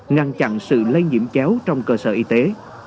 ngăn chặn sự lây nhiễm chéo trong cơ sở y tế